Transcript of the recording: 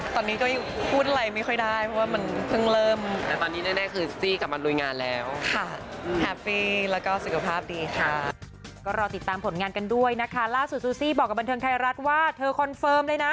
ตอนนี้ก็พูดอะไรไม่ค่อยได้เพราะว่ามันเพิ่งเริ่ม